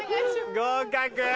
合格。